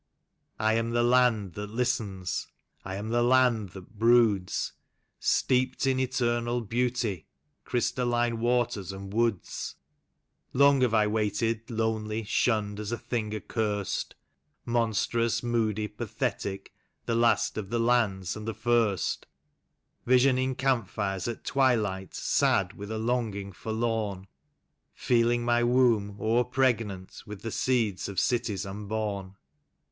I am the land that listens, I am the land that broods; Steeped in eternal beauty, crystalline waters and woods. THE LA W OF THE YUKON. 9 Long have I waited lonely, shunned as a thing accurst, Monstrous, moody, pathetic, the last of the lands and the first; Visioning camp fires at twilight, sad with a longing forlorn. Feeling my womb o'er pregnant with the seed of cities unborn.